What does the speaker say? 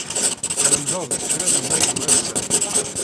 Tlemded-d kra n umaynu ass-a?